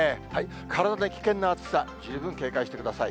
体に危険な暑さ、十分警戒してください。